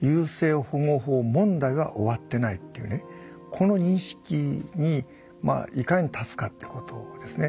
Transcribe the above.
この認識にいかに立つかってことですね。